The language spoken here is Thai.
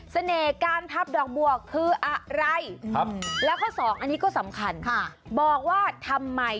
เสน่ห์การทับดอกบวกคืออะไร